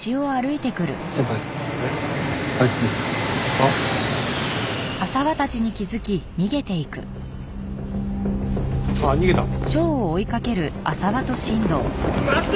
あっ逃げた。